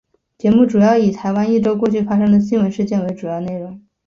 节目主要以台湾一周过去发生的新闻事件为主要内容。